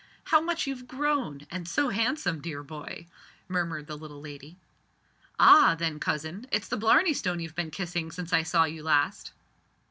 "How much you've grown and so handsome, dear boy," murmured the little lady. "Ah! then, cousin, it's the blarney stone you've been kissing since I saw you last!"